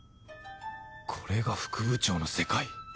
これが副部長の世界。